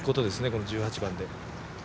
この１８番で。